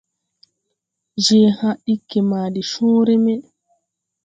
Je haa ɗiggi ma de cõõre me.